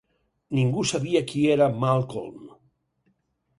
Ningú sabia qui era Malcolm.